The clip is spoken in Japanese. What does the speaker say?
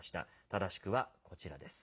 正しくはこちらです。